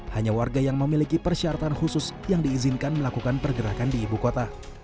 hanya warga yang memiliki persyaratan khusus yang diizinkan melakukan pergerakan di ibu kota